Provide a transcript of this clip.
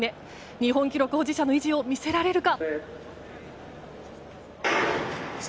日本記録保持者の意地を見せられるか。